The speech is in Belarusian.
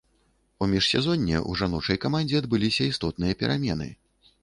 У міжсезонне ў жаночай камандзе адбыліся істотныя перамены.